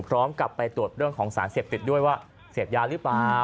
พร้อมกับไปตรวจเรื่องของสารเสพติดด้วยว่าเสพยาหรือเปล่า